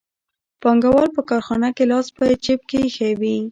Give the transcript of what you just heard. پانګوال په کارخانه کې لاس په جېب کې ایښی وي